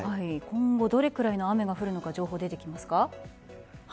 今後どれぐらいの雨が降るのか情報、出てきますか？